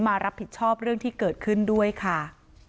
มารับผิดชอบเรื่องที่เกิดขึ้นด้วยค่ะ